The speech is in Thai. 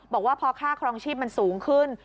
บอกว่าพอค่าครองชีพมันสูงขึ้น